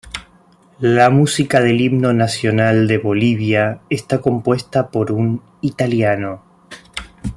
La música del Himno Nacional de Bolivia está compuesta por un italiano.